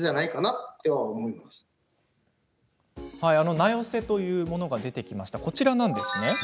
名寄せというものが出てきました、こちらです。